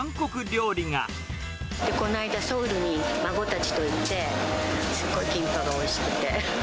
この間、ソウルに孫たちと行って、すっごいキンパがおいしくて。